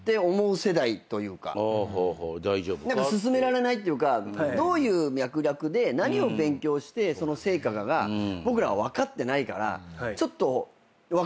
勧められないっていうかどういう脈絡で何を勉強してその成果かが僕らは分かってないからちょっと若い子に勧めるのに。